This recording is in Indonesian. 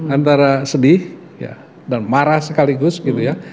antara sedih ya dan marah sekaligus gitu ya